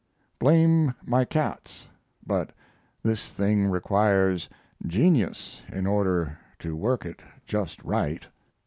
Blame my cats, but this thing requires genius in order to work it just right.